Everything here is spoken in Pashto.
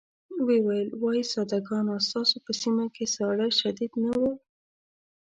وویل وای ساده ګانو ستاسو په سيمه کې ساړه شديد نه وو.